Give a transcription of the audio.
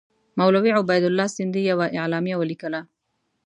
مولوي عبیدالله سندي یوه اعلامیه ولیکله.